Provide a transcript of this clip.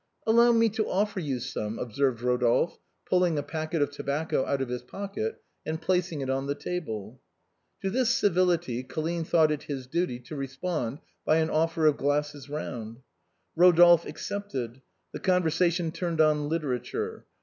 "Allow me to offer you some," observed Rodolphe,, pulling a packet of tobacco out of his pocket and placing it on the table. To this civility Colline thought it his duty to respond by an offer of glasses round. Rodolphe accepted. The conversation turned on liter ature.